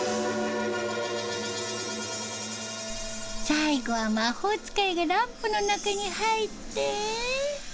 最後は魔法使いがランプの中に入って。